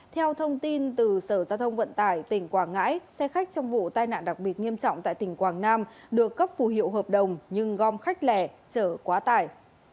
theo thông tin từ sở giao thông vận tải tỉnh quảng ngãi xe khách trong vụ tai nạn đặc biệt nghiêm trọng tại tỉnh quảng nam được cấp phù hiệu hợp đồng nhưng gom khách lẻ chở quá tải